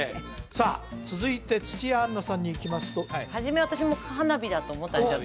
さあ続いて土屋アンナさんにいきますと初め私も花火だと思ったんですよ